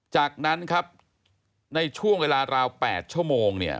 จากนั้นครับในช่วงเวลาราว๘ชั่วโมงเนี่ย